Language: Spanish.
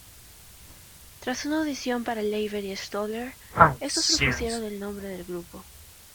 Tras una audición para Leiber y Stoller, estos propusieron el nombre del grupo.